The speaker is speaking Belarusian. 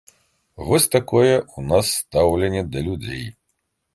Вось такое ў нас стаўленне да людзей.